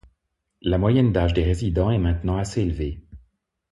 La moyenne d'âge des résidents est maintenant assez élevée.